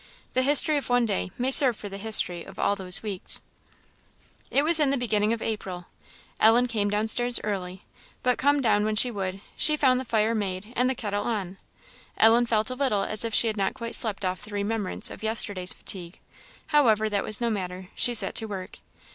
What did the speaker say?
The history of one day may serve for the history of all those weeks. It was in the beginning of April. Ellen came downstairs early, but come when she would, she found the fire made and the kettle on. Ellen felt a little as if she had not quite slept off the remembrance of yesterday's fatigue; however, that was no matter, she set to work.